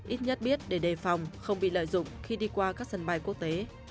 ít nhất biết để đề phòng không bị lợi dụng khi đi qua các sân bay quốc tế